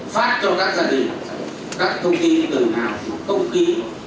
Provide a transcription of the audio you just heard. phát cho các gia đình các thông tin từ nào công ký